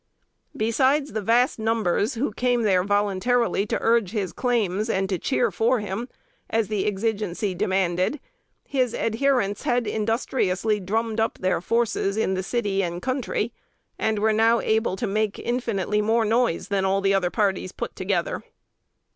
Besides the vast numbers who came there voluntarily to urge his claims, and to cheer for him, as the exigency demanded, his adherents had industriously "drummed up" their forces in the city and country, and were now able to make infinitely more noise than all the other parties put together.